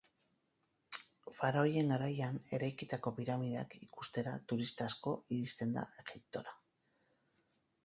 Faraoien gaian eraikitako piramideak ikustera turista asko iristen da Egiptora.